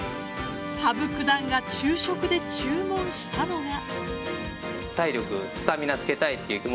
羽生九段が昼食で注文したのが。